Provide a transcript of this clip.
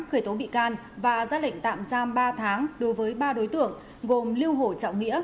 khởi tố bị can và ra lệnh tạm giam ba tháng đối với ba đối tượng gồm lưu hồ trọng nghĩa